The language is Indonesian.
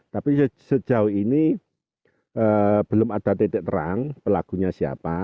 tapi sejauh ini belum ada titik terang pelakunya siapa